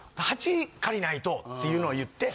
８借りないとっていうのを言って。